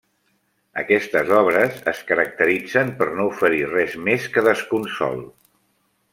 Aquestes obres es caracteritzen per no oferir res més que desconsol.